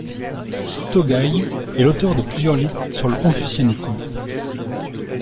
Toegye est l'auteur de plusieurs livres sur le confucianisme.